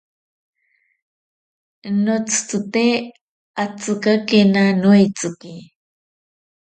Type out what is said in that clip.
Notsitsite atsikakena noeitsiki.